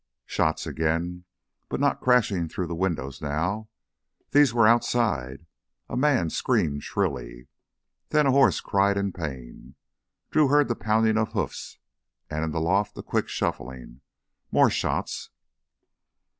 Shots again, but not crashing through the windows now; these were outside. A man screamed shrilly. Then a horse cried in pain. Drew heard the pounding of hoofs, and in the loft a quick shuffling. More shots....